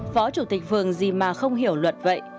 phó chủ tịch phường gì mà không hiểu luật vậy